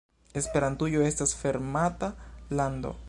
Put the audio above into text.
Esperantujo estas fermata lando.